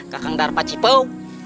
kakang dar paci pou